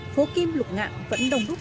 phố kim lục ngạn vẫn đồng rút